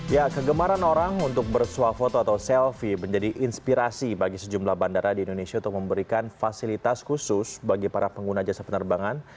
ya kegemaran orang untuk bersuah foto atau selfie menjadi inspirasi bagi sejumlah bandara di indonesia untuk memberikan fasilitas khusus bagi para pengguna jasa penerbangan